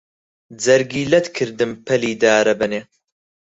جەرگی لەت کردم پەلی دارەبەنێ